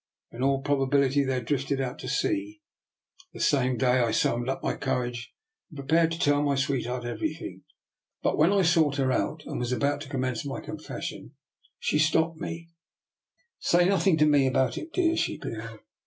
In all probability they had drifted out to sea. The same day I summoned up my courage, and prepared to tell my sweetheart everything; but when I sought her out, and was about to commence my confession, she stopped me. 3o6 DR NIKOLA'S EXPERIMENT. " Say nothing to me about it, dear/* she began.